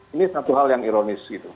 ini satu hal yang ironis gitu